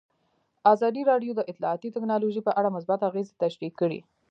ازادي راډیو د اطلاعاتی تکنالوژي په اړه مثبت اغېزې تشریح کړي.